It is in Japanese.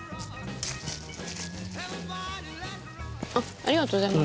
ありがとうございます。